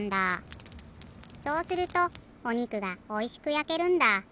そうするとおにくがおいしくやけるんだ。